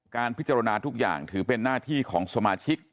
การพิจารณาทุกอย่างถือเป็นหน้าที่ของสมาชิก